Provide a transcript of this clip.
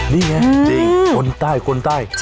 นี่ไงจริงคนใต้